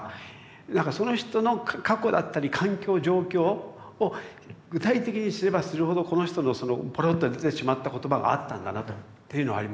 なんかその人の過去だったり環境状況を具体的に知れば知るほどこの人のぽろっと出てしまった言葉があったんだなというのはありますよね。